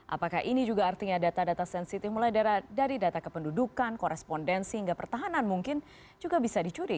apakah ini juga artinya data data sensitif mulai dari data kependudukan korespondensi hingga pertahanan mungkin juga bisa dicuri